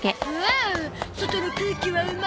お外の空気はうまいゾ。